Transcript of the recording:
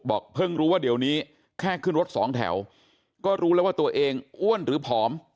เพิ่งรู้ว่าเดี๋ยวนี้แค่ขึ้นรถสองแถวก็รู้แล้วว่าตัวเองอ้วนหรือผอม